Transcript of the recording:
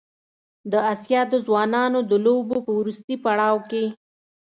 د اسیا د ځوانانو د لوبو په وروستي پړاو کې